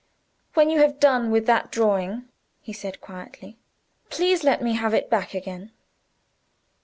"When you have done with that drawing," he said quietly, "please let me have it back again."